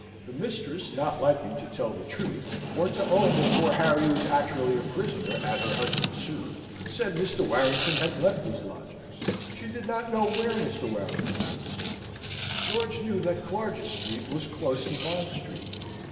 The mistress not liking to tell the truth, or to own that poor Harry was actually a prisoner at her husband's suit, said Mr. Warrington had left his lodgings; she did not know where Mr. Warrington was. George knew that Clarges Street was close to Bond Street.